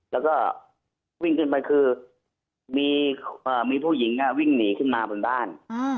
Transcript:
แล้วก็วิ่งขึ้นไปคือมีผู้หญิงวิ่งหนีขึ้นมาบนบ้าน